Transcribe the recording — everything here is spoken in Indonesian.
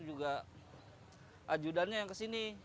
juga ajudannya yang ke sini